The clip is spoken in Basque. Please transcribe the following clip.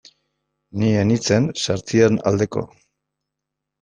Ni ez nintzen sartzearen aldeko.